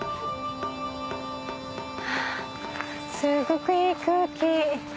すっごくいい空気。